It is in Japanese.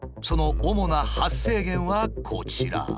その主な発生源はこちら。